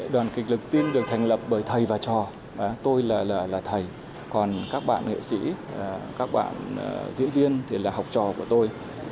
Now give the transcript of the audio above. đoàn kịch lực tiên được thành lập bởi thầy và trò tôi là thầy còn các bạn nghệ sĩ các bạn diễn viên thì là học trò của tôi